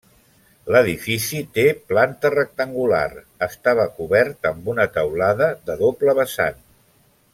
L'edifici té planta rectangular, estava cobert amb una teulada de doble vessant.